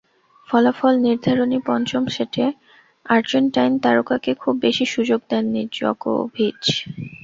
ফলাফল নির্ধারণী পঞ্চম সেটে আর্জেন্টাইন তারকাকে খুব বেশি সুযোগ দেননি জকোভিচ।